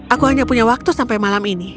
aku hanya punya waktu sampai malam ini